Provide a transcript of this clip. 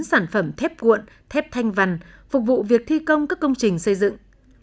sản phẩm thép cuộn thép thanh văn phục vụ việc thi công các công trình xây dựng